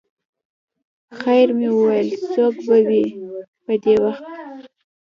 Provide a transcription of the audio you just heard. خیر مې وویل څوک به وي په دې وخت.